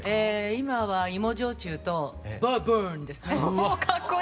今は芋焼酎とバーボンですね。